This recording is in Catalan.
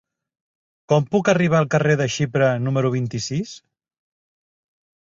Com puc arribar al carrer de Xipre número vint-i-sis?